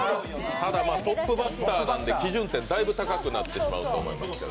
トップバッターなので基準点だいぶ高くなってしまうと思います。